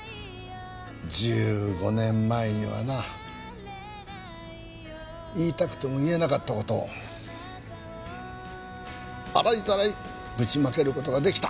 １５年前にはな言いたくても言えなかった事を洗いざらいぶちまける事が出来た。